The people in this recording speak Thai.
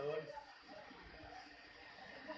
แล้วลูกกัน